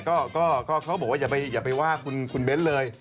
ก็เขาบอกว่าอย่าไปว่าคุณเบ้นเลย